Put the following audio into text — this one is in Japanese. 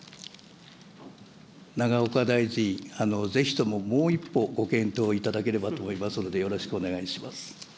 永岡大臣、ぜひとももう一歩ご検討いただければと思いますので、よろしくお願いします。